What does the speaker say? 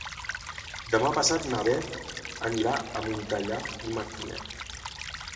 Demà passat na Beth anirà a Montellà i Martinet.